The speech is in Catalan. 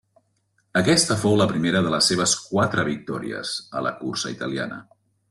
Aquesta fou la primera de les seves quatre victòries a la cursa italiana.